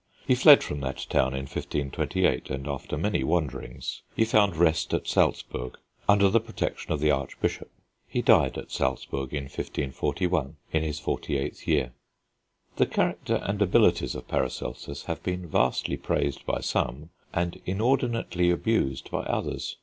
He fled from that town in 1528, and after many wanderings, he found rest at Salzburg, under the protection of the archbishop. He died at Salzburg in 1541, in his forty eighth year. The character and abilities of Paracelsus have been vastly praised by some, and inordinately abused by others.